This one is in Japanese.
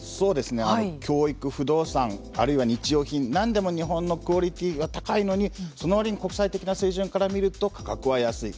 教育、不動産あるいは日用品何でも日本のクオリティーが高いのにその割に国際的な水準から見ると価格は安い。